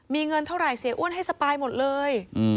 มีเงินเท่าไหร่เสียอ้วนให้สปายหมดเลย